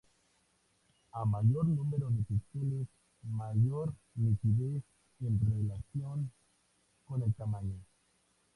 A mayor número de píxeles, mayor nitidez en relación con el tamaño.